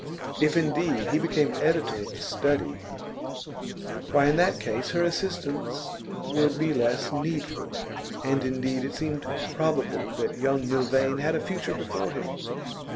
If indeed he became editor of The Study, why, in that case her assistance would be less needful. And indeed it seemed probable that young Milvain had a future before him.